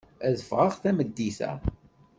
Ad ffɣeɣ tameddit-a.